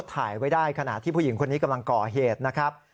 ถ่ายไว้ได้ขณะที่ผู้หญิงคนนี้กำลังก่อเหตุนะครับ